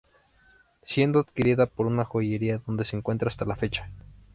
Siendo adquirida por una joyería, donde se encuentra hasta la fecha.